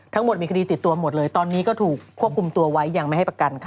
ทั้งหมดมีคดีติดตัวหมดเลยตอนนี้ก็ถูกควบคุมตัวไว้ยังไม่ให้ประกันค่ะ